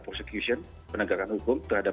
prosecution penegakan hukum terhadap